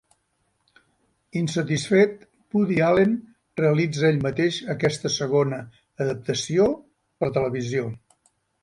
Insatisfet, Woody Allen realitza ell mateix aquesta segona adaptació, per a la televisió.